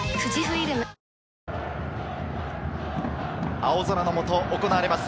青空の下、行われます